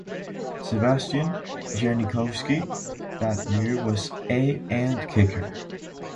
Sebastian Janikowski that year was a and kicker.